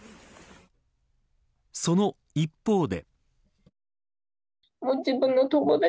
その一方で。